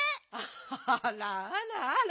あらあらあら。